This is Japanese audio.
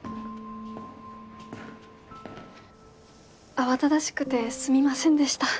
慌ただしくてすみませんでした。